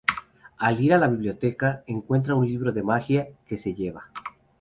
Al ir a la biblioteca, encuentra un libro de magia, que se lleva.